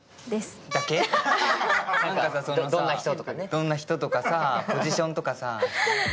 どんな人とか、ポジションとかさー。